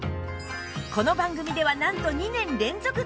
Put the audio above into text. この番組ではなんと２年連続完売！